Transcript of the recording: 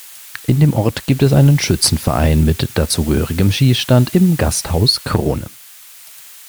In dem Ort gibt es einen Schützenverein mit dazugehörigem Schießstand im Gasthaus Krone.